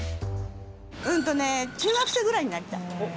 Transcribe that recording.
うんとね中学生ぐらいになりたい。